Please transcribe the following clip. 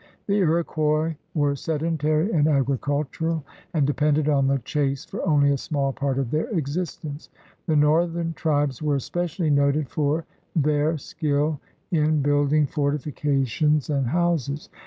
The Iroquois were sedentary and agricultural, and depended on the chase for only a small part of their existence. The northern tribes were 160 THE RED MAN'S CONTINENT especially noted for their skill in building fortifica tions and houses.